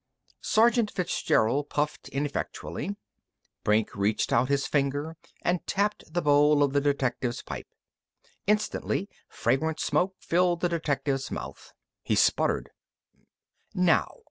Sergeant Fitzgerald puffed ineffectually. Brink reached out his finger and tapped the bowl of the detective's pipe. Instantly fragrant smoke filled the detective's mouth. He sputtered. "Now....